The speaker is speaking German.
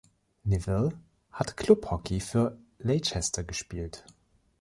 Nevill hat Klubhockey für Leicester gespielt.